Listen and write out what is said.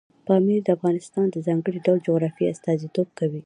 پامیر د افغانستان د ځانګړي ډول جغرافیې استازیتوب کوي.